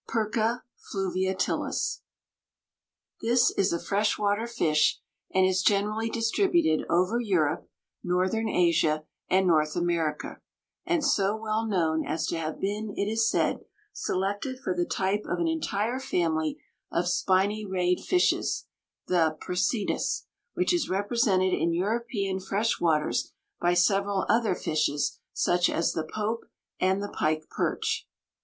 (Perca fluviatilis.) This is a fresh water fish and is generally distributed over Europe, northern Asia, and North America, and so well known as to have been, it is said, selected for the type of an entire family of spiny rayed fishes, the percidas, which is represented in European fresh waters by several other fishes such as the pope and the pike perch.